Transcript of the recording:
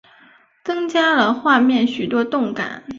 增加了画面许多动感